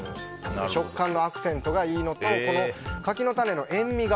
食感のアクセントがいいのと柿の種の塩みが